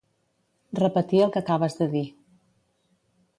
Repetir el que acabes de dir.